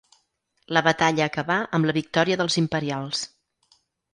La batalla acabà amb la victòria dels Imperials.